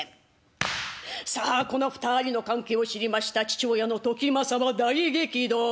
さあこの２人の関係を知りました父親の時政は大激怒。